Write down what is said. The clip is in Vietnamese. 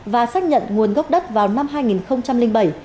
và xác nhận nguồn gốc đất vào năm hai nghìn bảy